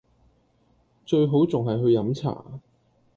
最好仲係去飲茶